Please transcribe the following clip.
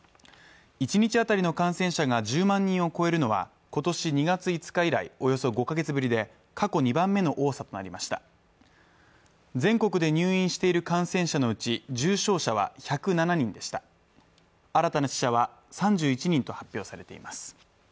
１日あたりの感染者が１０万人を超えるのは今年２月５日以来およそ５か月ぶりで過去２番目の多さとなりました全国で入院している感染者のうち重症者は１０７人でした新たな死者は３１人と発表されています